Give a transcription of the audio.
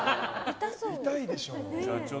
痛いでしょう。